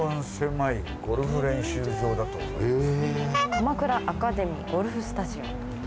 鎌倉アカデミーゴルフスタジオ。